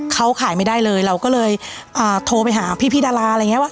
เขาขายไม่ได้เลยเราก็เลยโทรไปหาพี่ดาราอะไรอย่างเงี้ว่า